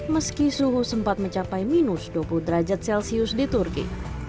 meski suhu sempat mencapai minus dua puluh derajat celcius di turki